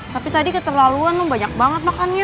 tapi tadi keterlaluan banyak banget makannya